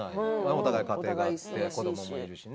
お互い家庭もあって子どももいるし。